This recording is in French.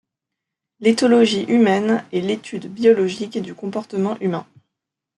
L'éthologie humaine est l'étude biologique du comportement humain.